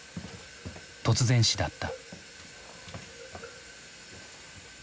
突然死だった。